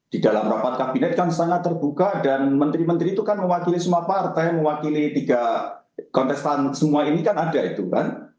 di dalam rapat kabinet kan sangat terbuka dan menteri menteri itu kan mewakili semua partai mewakili tiga kontestan semua ini kan ada itu kan